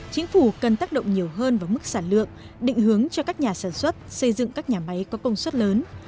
chính phủ cần tác động nhiều hơn vào mức sản lượng định hướng cho các nhà sản xuất xây dựng các nhà máy có công suất lớn